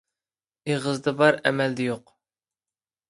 ئېغىزدا بار، ئەمەلدە يوق.